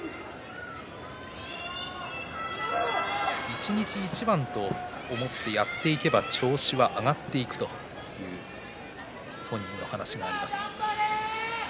一日一番と思ってやっていけば調子は上がっていくと本人の話があります。